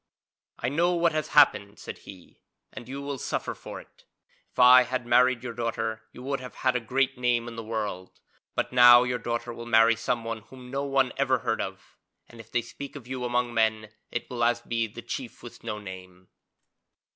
'I know what has happened,' said he. 'And you will suffer for it. If I had married your daughter, you would have had a great name in the world, but now your daughter will marry someone whom no one ever heard of, and if they speak of you among men it will be as The Chief with no name.'